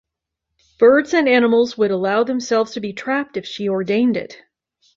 Birds and animals would allow themselves to be trapped if she ordained it.